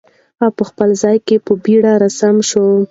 هغه په خپل ځای کې په بیړه را سم شو.